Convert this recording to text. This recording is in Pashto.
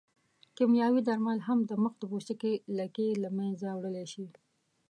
کیمیاوي درمل هم د مخ د پوستکي لکې له منځه وړلی شي.